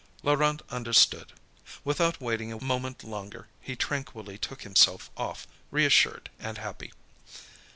Laurent understood. Without waiting a moment longer, he tranquilly took himself off reassured and happy.